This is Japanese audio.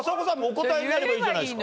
お答えになればいいじゃないですか。